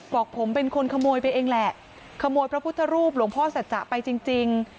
บอกผมเป็นคนขโมยไปเองแหละขโมยพระพุทธรูปหลวงพ่อสัจจะไปจริงจริง